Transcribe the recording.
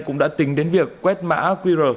cũng đã tính đến việc quét mã qr